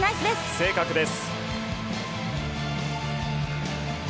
正確です。